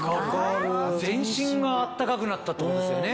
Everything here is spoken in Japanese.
全身があったかくなったっていうことですよね。